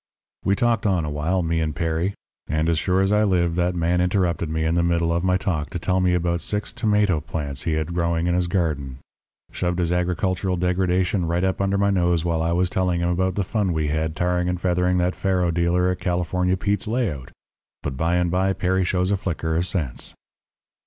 "We talked on a while, me and Perry, and, as sure as I live, that man interrupted me in the middle of my talk to tell me about six tomato plants he had growing in his garden. Shoved his agricultural degradation right up under my nose while I was telling him about the fun we had tarring and feathering that faro dealer at California Pete's layout! But by and by Perry shows a flicker of sense.